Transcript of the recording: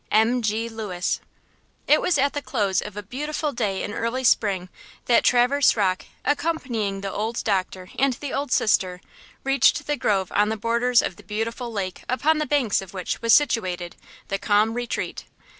–M. G. LEWIS. IT was at the close of a beautiful day in early spring that Traverse Rocke, accompanying the old doctor and the old sister, reached the grove on the borders of the beautiful lake upon the banks of which was situated the "Calm Retreat."